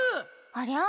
ありゃ？